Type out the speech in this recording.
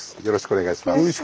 よろしくお願いします。